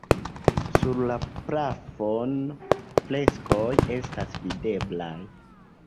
Sur la plafono freskoj estas videblaj.